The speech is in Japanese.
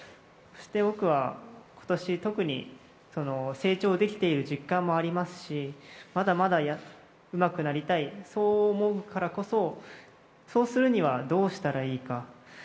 そして僕はことし特にその成長できている実感もありますし、まだまだうまくなりたい、そう思うからこそ、そうするには、どうしたらいいか。